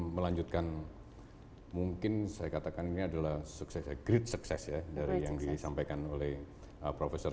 serta mencari akses ke masa depan